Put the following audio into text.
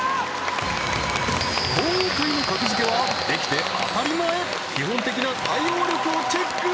今回の格付けはできて当たり前基本的な対応力をチェック